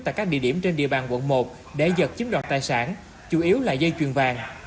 tại các địa điểm trên địa bàn quận một để giật chiếm đoạt tài sản chủ yếu là dây chuyền vàng